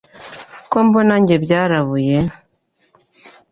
ko mbona njye byarabuye